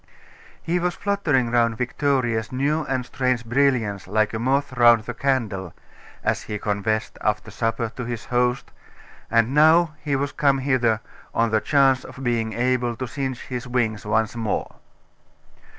He was fluttering round Victoria's new and strange brilliance like a moth round the candle, as he confessed, after supper, to his host; and now he was come hither, on the chance of being able to singe his wings once more.